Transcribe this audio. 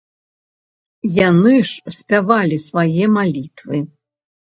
Яны ж спявалі свае малітвы.